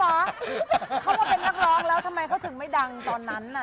เขามาเป็นนักร้องแล้วทำไมเขาถึงไม่ดังตอนนั้นน่ะ